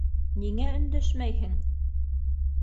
Ниңә өндәшмәйһең?